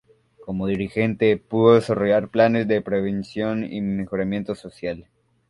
Como dirigente, pudo desarrollar planes de previsión y mejoramiento social.